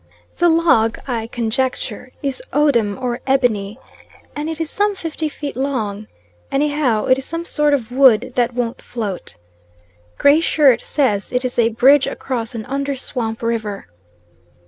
The log, I conjecture, is odum or ebony, and it is some fifty feet long; anyhow it is some sort of wood that won't float. Gray Shirt says it is a bridge across an under swamp river.